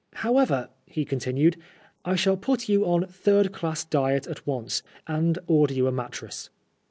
"However," he continued, "I shall put you on third class diet at once, and order you a mattress."